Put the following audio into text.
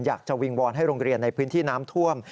อยากจะวิงวอนให้โรงเรียนในพื้นที่น้ำท่วม